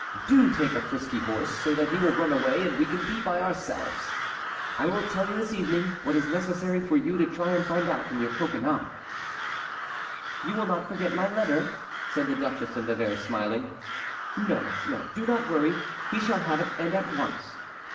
Do take a frisky horse, so that he will run away, and we can be by ourselves. I will tell you this evening what is necessary for you to try and find out from your Coconnas." "You will not forget my letter?" said the duchess of Nevers smiling. "No, no, do not worry; he shall have it, and at once."